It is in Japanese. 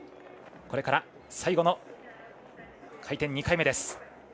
これから最後の回転２回目です。